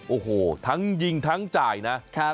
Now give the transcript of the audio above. โอ้โหทั้งยิงทั้งจ่ายนะ